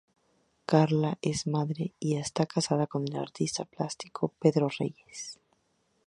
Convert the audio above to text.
Carla es madre y está casada con el artista plástico Pedro Reyes.